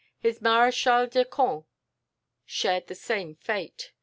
His marechal de camp shared the same fate.